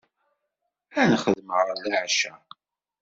Ad nexdem ɣer leɛca.